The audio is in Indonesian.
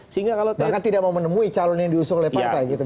bahkan tidak mau menemui calon yang diusung lepak